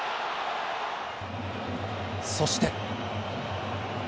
そして。